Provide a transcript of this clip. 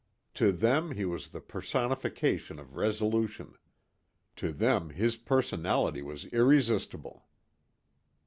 To them he was the personification of resolution. To them his personality was irresistible.